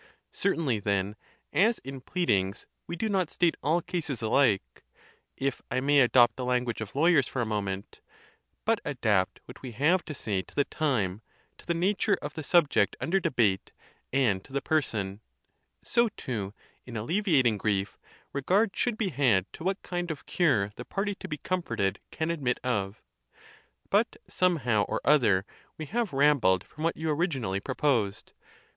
Certainly, then, as in pleadings we do not state all cases alike (if 1 may adopt 126 THE TUSCULAN DISPUTATIONS. the language of lawyers for a moment), but adapt what we have to say to the time, to the nature of the subject under debate, and to the person; so, too, in alleviating grief, regard should be had to what kind of eure the party to be comforted can admit of. But, somehow or other, we have rambled from what you originally proposed.